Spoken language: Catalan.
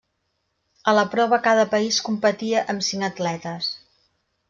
A la prova cada país competia amb cinc atletes.